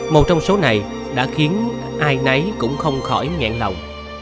một trong số này đã khiến ai nấy cũng không khỏi ngạn lòng